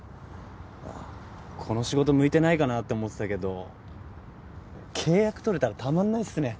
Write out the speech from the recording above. あぁこの仕事向いてないかなって思ってたけど契約取れたらたまんないっすね。